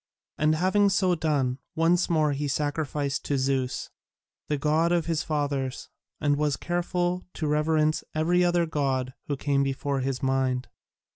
And having so done, once more he sacrificed to Zeus, the god of his fathers, and was careful to reverence every other god who came before his mind.